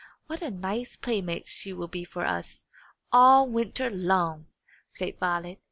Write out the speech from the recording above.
"What a nice playmate she will be for us, all winter long!" said Violet.